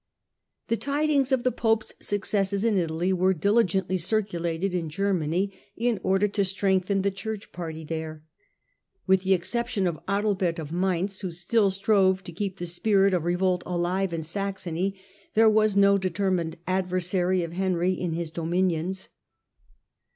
The tidings of the pope's successes in Italy were diligently circulated in Germany in order to strengthen the church party there. With the exception of Adalbert General of Maiuz, who Still strovo to keep the spirit peace ^ of rovolt alive in Saxony, there was no determined adversary of Henry in his dominions.